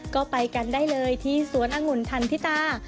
ก็ไปกันได้เลยที่สวนองุ่นทันทิตา